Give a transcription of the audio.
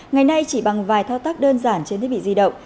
ngày nay chỉ bằng vài thao tác đơn giản trên thiết bị di động